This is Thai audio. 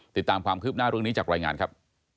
ติดตามความคืบหน้าเรื่องนี้จากรายงานครับ